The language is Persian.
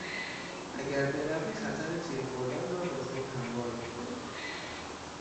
اگر بروی خطر تیر خوردن را به خود هموار میکنی.